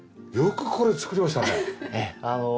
よくこれ作りましたね。